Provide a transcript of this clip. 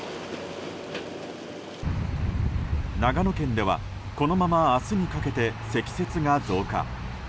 長野県ではこのまま明日にかけて積雪が増加。